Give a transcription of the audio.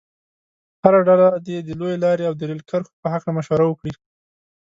هره ډله دې د لویې لارې او د ریل کرښو په هلکه مشوره وکړي.